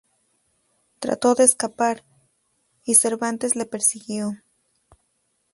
Trató de escapar, y Cervantes le persiguió.